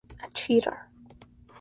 A cheater.